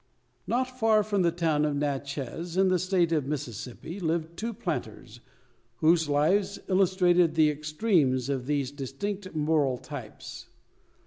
Not far from the town of Natchez, in the State of Mississippi, lived two planters, whose lives illustrated the extremes of these distinct moral types.